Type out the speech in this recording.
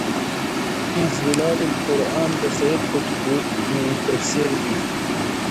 في ظِلال القُرآن د سيد قُطب تفسير دی